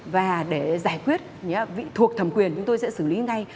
và để giải quyết thuộc thẩm quyền chúng tôi sẽ xử lý ngay